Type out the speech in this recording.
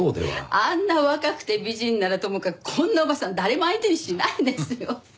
あんな若くて美人ならともかくこんなおばさん誰も相手にしないですよ。